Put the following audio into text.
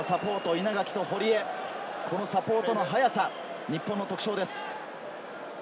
稲垣と堀江、このサポートの速さが日本の特徴です。